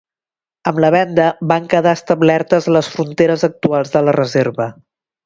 Amb la venda van quedar establertes les fronteres actuals de la reserva.